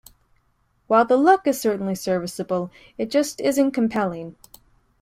While the look is certainly servicable, it just isn't compelling.